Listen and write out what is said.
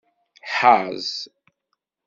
Ḥaz.